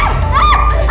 ibu tenang dulu bu